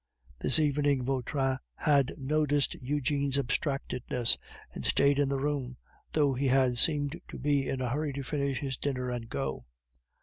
This evening Vautrin had noticed Eugene's abstractedness, and stayed in the room, though he had seemed to be in a hurry to finish his dinner and go.